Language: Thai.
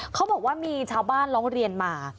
เขาบอกว่ามีชาวบ้านร้องเรียนมา